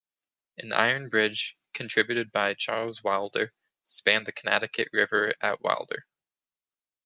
An iron bridge contributed by Charles Wilder spanned the Connecticut River at Wilder.